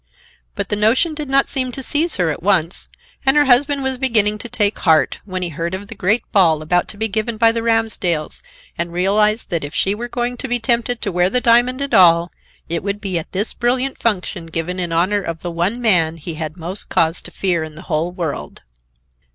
But the notion did not seem to seize her at once, and her husband was beginning to take heart, when he heard of the great ball about to be given by the Ramsdells and realized that if she were going to be tempted to wear the diamond at all, it would be at this brilliant function given in honor of the one man he had most cause to fear in the whole world.